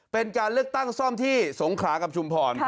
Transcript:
เป็นการเลือกตั้งซ่อมที่สงขลากับชุมพร